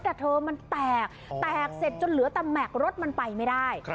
แต่เธอมันแตกแตกเสร็จจนเหลือแต่แม็กซ์รถมันไปไม่ได้